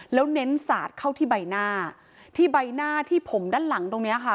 แล้วเน้นสาดเข้าที่ใบหน้าที่ใบหน้าที่ผมด้านหลังตรงเนี้ยค่ะ